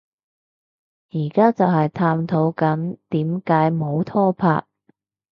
而家就係探討緊點解冇拖拍